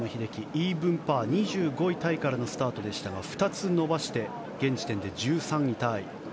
イーブンパー、２５位タイからのスタートでしたが２つ伸ばして現時点で１３位タイ。